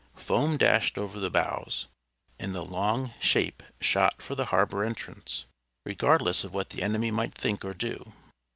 Foam dashed over the bows, and the long shape shot for the harbor entrance, regardless of what the enemy might think or do.